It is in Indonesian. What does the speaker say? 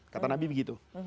kata nabi begitu